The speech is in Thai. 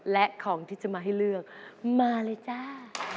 และของที่จะมาให้เลือกมาเลยจ้า